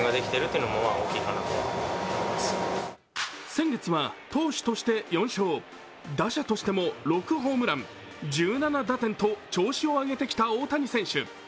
先月は投手として４勝、打者としても６ホームラン、１７打点と調子を上げてきた大谷選手。